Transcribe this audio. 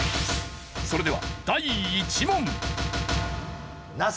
それでは第１問。